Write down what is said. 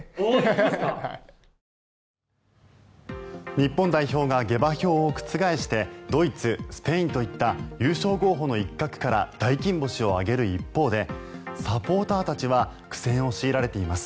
日本代表が下馬評を覆してドイツ、スペインといった優勝候補の一角から大金星を挙げる一方でサポーターたちは苦戦を強いられています。